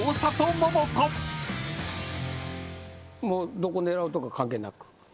もうどこ狙うとか関係なく？